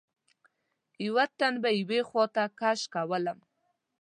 یوه تن به یوې خواته کش کولم.